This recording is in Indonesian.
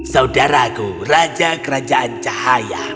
saudaraku raja kerajaan cahaya